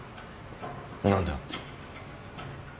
何だ？